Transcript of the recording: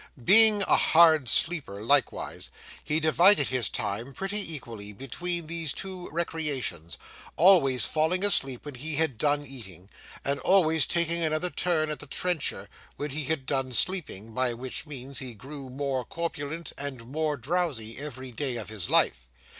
Being a hard sleeper likewise, he divided his time pretty equally between these two recreations, always falling asleep when he had done eating, and always taking another turn at the trencher when he had done sleeping, by which means he grew more corpulent and more drowsy every day of his life.